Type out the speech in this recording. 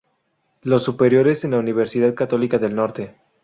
Los superiores en la Universidad Católica del Norte.